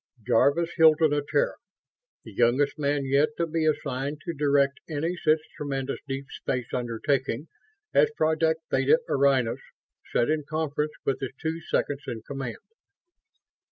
Jarvis Hilton of Terra, the youngest man yet to be assigned to direct any such tremendous deep space undertaking as Project Theta Orionis, sat in conference with his two seconds in command.